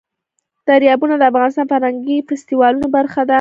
دریابونه د افغانستان د فرهنګي فستیوالونو برخه ده.